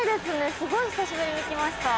すごい久しぶりに来ました。